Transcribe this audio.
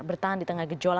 bertahan di tengah gejolak